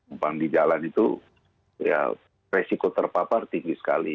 umpang di jalan itu ya resiko terpapar tinggi sekali